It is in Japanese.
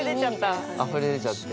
あふれ出ちゃって。